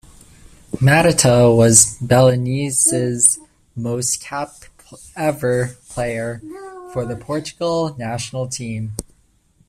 Matateu's was Belenenses most-capped ever player for the Portugal national team.